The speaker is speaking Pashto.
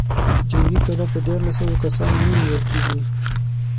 جنګي کلا په ديارلسو سوو کسانو نه نېول کېږي.